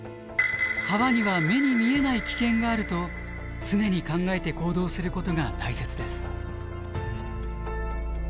川には目に見えない危険があると常に考えて行動することが大切です。